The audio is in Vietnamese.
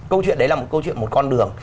câu chuyện đấy là một câu chuyện một con đường